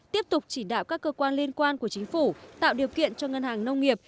tiếp tục chỉ đạo các cơ quan liên quan của chính phủ tạo điều kiện cho ngân hàng nông nghiệp